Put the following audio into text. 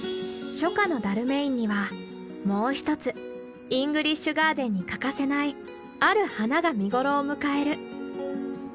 初夏のダルメインにはもう一つイングリッシュガーデンに欠かせないある花が見頃を迎える。